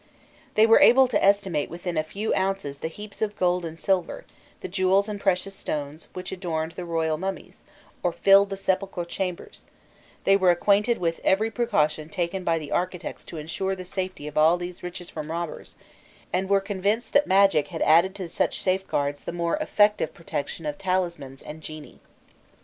They were able to estimate within a few ounces the heaps of gold and silver, the jewels and precious stones, which adorned the royal mummies or rilled the sepulchral chambers: they were acquainted with every precaution taken by the architects to ensure the safety of all these riches from robbers, and were convinced that magic had added to such safeguards the more effective protection of talismans and genii.